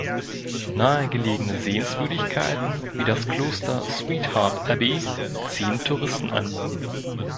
Nahegelegene Sehenswürdigkeiten wie das Kloster Sweetheart Abbey ziehen Touristen an.